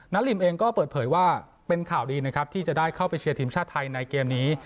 ลิมเองก็เปิดเผยว่าเป็นข่าวดีนะครับที่จะได้เข้าไปเชียร์ทีมชาติไทยในเกมนี้